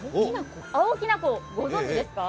青きな粉、ご存じですか？